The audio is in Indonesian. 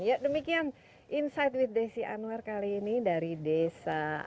ya demikian insight with desi anwar kali ini dari desa